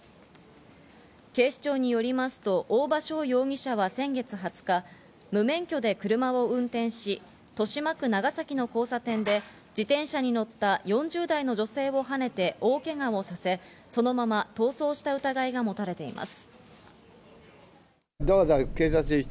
警視庁によりますと、大場翔容疑者は先月２０日、無免許で車を運転し、豊島区長崎の交差点で自転車に乗った４０代の女性をはねて大けがをさせ、そのまま逃走した疑いが持たれています。